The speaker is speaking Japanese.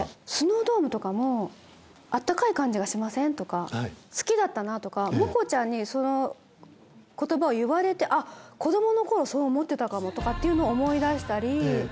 スノードームとかも「あったかい感じがしません？」とか「好きだったな」とかもこちゃんにその言葉を言われてあっ。とかっていうのを思い出したり。